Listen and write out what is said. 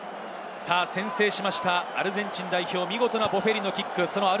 先制したアルゼンチン代表、見事なボフェリのキックです。